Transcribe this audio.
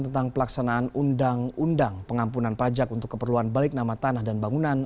tentang pelaksanaan undang undang pengampunan pajak untuk keperluan balik nama tanah dan bangunan